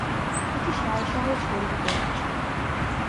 এটি সারা শহরে ছড়িয়ে পড়ে।